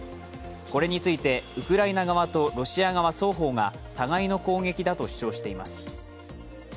これについてウクライナ側とロシア側双方が互いの攻撃だと主張しています。